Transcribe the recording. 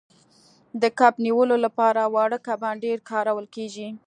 د کب نیولو لپاره واړه کبان ډیر کارول کیږي